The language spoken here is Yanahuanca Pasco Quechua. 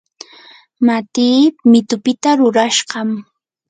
matii mitupita rurashqam.